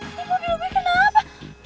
ini mobil gue kenapa